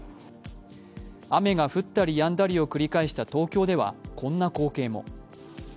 雨が降ったりやんだりを繰り返した東京ではこんな光景も。